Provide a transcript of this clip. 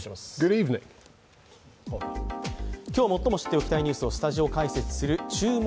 今日、最も知っておきたいニュースをスタジオ解説する「注目！